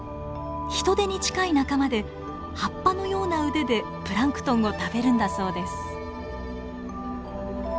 ヒトデに近い仲間で葉っぱのような腕でプランクトンを食べるんだそうです。